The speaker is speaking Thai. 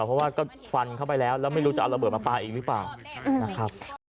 เพราะว่าก็ฟันเข้าไปแล้วแล้วไม่รู้จะเอาระเบิดมาปลาอีกหรือเปล่านะครับ